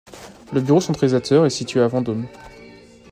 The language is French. Le bureau centralisateur est situé à Vendôme.